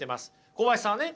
小林さんがね